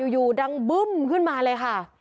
อยู่ดังบึ้มขึ้นมาเลยค่ะ